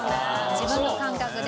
自分の感覚で。